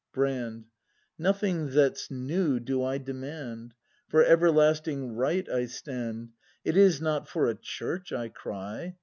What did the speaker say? Brand. Nothing that's new do I demand; For Everlasting Right I stand. It is not for a Church I cry.